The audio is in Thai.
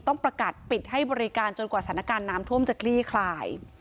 ต้องประกาศปิดให้บริการจนกว่าสถานการณ์น้ำท่วมจะคลี่คลาย